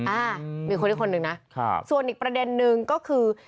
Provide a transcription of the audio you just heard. อ้ามีคนละคนนึงนะส่วนอีกประเด็นนึงก็คือ